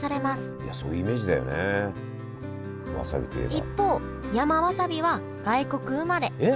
一方山わさびは外国生まれえっ！？